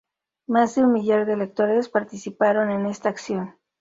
Más de un millar de lectores participaron en esta acción.